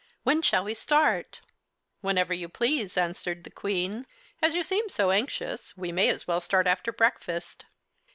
"When shall we start?" "Whenever you please," answered the Queen. "As you seem so anxious, we may as well start after breakfast."